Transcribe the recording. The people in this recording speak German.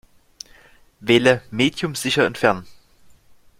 Wähle "Medium sicher entfernen".